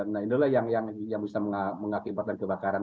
nah itulah yang bisa mengakibatkan kebakaran